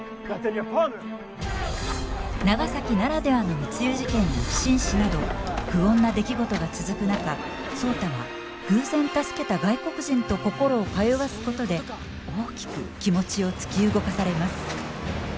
長崎ならではの密輸事件や不審死など不穏な出来事が続く中壮多は偶然助けた外国人と心を通わすことで大きく気持ちを突き動かされます。